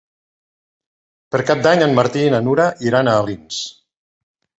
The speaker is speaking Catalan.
Per Cap d'Any en Martí i na Nura iran a Alins.